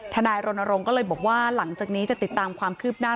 นายรณรงค์ก็เลยบอกว่าหลังจากนี้จะติดตามความคืบหน้า